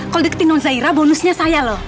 kalo deketin nunzahira bonusnya saya loh